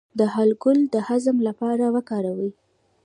د هل ګل د هضم لپاره وکاروئ